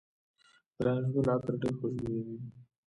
د نارنج ګل عطر ډیر خوشبويه وي.